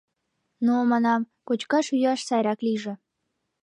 Но, манам, кочкаш-йӱаш сайрак лийже.